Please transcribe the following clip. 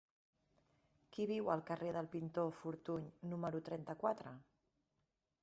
Qui viu al carrer del Pintor Fortuny número trenta-quatre?